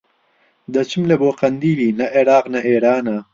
دەچم لە بۆ قەندیلی نە ئێراق نە ئێرانە